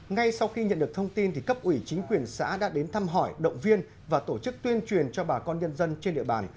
ngay sau khi nhận được thông tin cấp ủy chính quyền xã đã đến thăm hỏi động viên và tổ chức tuyên truyền cho bà con nhân dân trên địa bàn